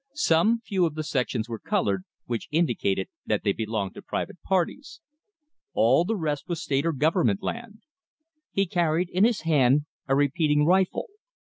Some few of the sections were colored, which indicated that they belonged to private parties. All the rest was State or Government land. He carried in his hand a repeating rifle.